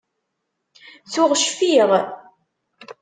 Tuɣ cfiɣ.